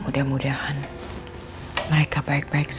mudah mudahan mereka baik baik saja